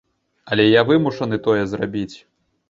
Але я вымушаны тое зрабіць.